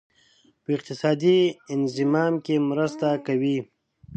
په اقتصادي انضمام کې مرسته کوي.